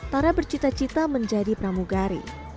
tara bercita cita menjadi pramugari